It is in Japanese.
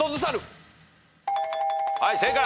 はい正解。